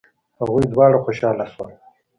هغوی دواړه خوشحاله شول.